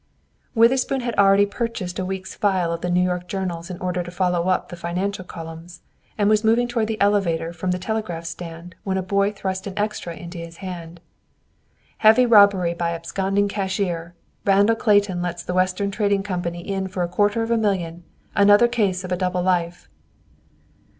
Witherspoon had already purchased a week's file of the New York journals in order to follow up the financial columns, and was moving toward the elevator from the telegraph stand, when a boy thrust an extra into his hand. "Heavy Robbery by Absconding Cashier! Randall Clayton Lets the Western Trading Company in for a Quarter of a Million. Another Case of a Double Life!"